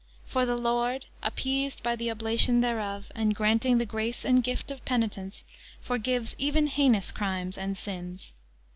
For the Lord, appeased by the oblation thereof, and granting the [Page 155] grace and gift of penitence, forgives even heinous crimes and sins.